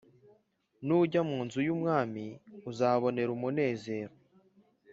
Nujya mu Nzu y’Ubwami uzahabonera umunezero